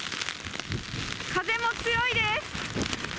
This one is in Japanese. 風も強いです。